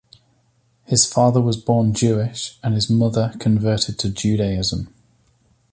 His father was born Jewish and his mother converted to Judaism.